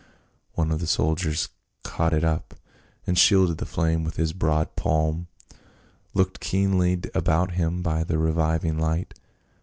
One of the soldiers caught it up, and shielding the flame with his broad palm looked keenly about him by the reviving light.